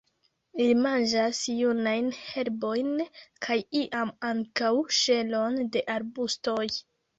Ili manĝas junajn herbojn, kaj iam ankaŭ ŝelon de arbustoj.